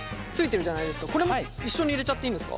これも一緒に入れちゃっていいんですか？